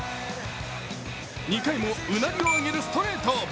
２回も、うなりを上げるストレート。